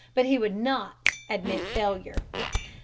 But he would not admit failure.